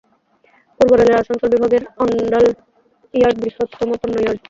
পূর্ব রেলের আসানসোল বিভাগের অণ্ডাল ইয়ার্ড বৃহত্তম পণ্য ইয়ার্ড।